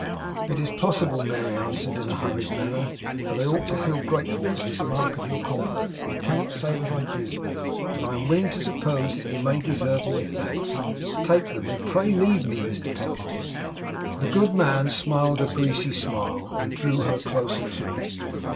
'It is possible,' Mary answered, in a hurried manner, 'that I ought to feel grateful for this mark of your confidence. I cannot say that I do, but I am willing to suppose you may deserve my thanks. Take them; and pray leave me, Mr Pecksniff.' The good man smiled a greasy smile; and drew her closer to him.